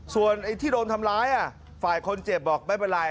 ส่วนไอ้ที่โดนทำร้ายฝ่ายคนเจ็บบอกไม่เป็นไร